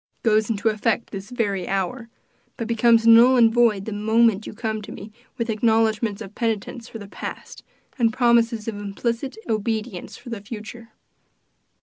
It goes into effect this very hour, but becomes null and void the moment you come to me with acknowledgments of penitence for the past, and promises of implicit obedience for the future."